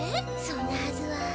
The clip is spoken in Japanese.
そんなはずは。